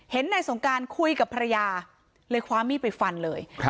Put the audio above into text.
นายสงการคุยกับภรรยาเลยคว้ามีดไปฟันเลย